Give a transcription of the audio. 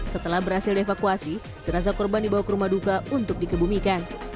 setelah berhasil dievakuasi jenazah korban dibawa ke rumah duka untuk dikebumikan